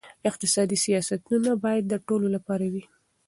اقتصادي سیاستونه باید د ټولو لپاره وي.